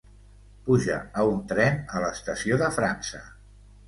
Puja a un tren a l'estació de França.